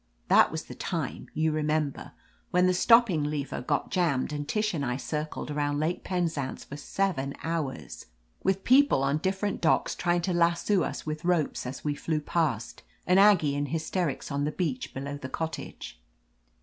That was the time, you remember, when the stopping lever got jammed, and Tish and I circled around Lake Penzance for seven hours, with people on dif ferent docks trying to lasso us with ropes as we 222 LETITIA CARBERRY flew past, and Aggie in hysterics on the beach below the cottage.